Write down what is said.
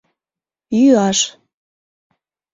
Йӱаш...